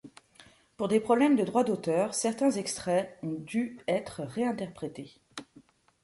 Pour des problèmes de droits d'auteurs, certains extraits ont dû être réinterprétés.